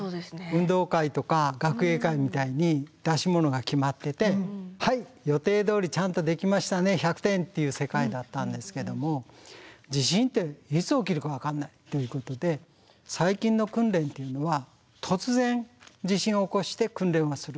運動会とか学芸会みたいに出し物が決まってて「はい予定どおりちゃんとできましたね。１００点」っていう世界だったんですけども最近の訓練っていうのは突然地震を起こして訓練をする。